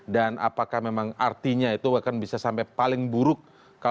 dan apakah memang artinya itu akan bisa sampai paling buruk